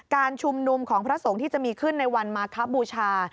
การชุมนุมของพระสงฆ์ที่จะมีขึ้นในวันมาคบูชา